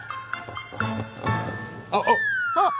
あっ！